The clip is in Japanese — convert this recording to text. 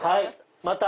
また！